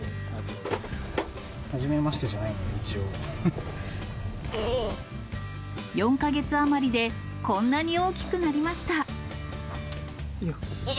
はじめましてじゃないんだよ、４か月余りで、こんなに大きくなりました。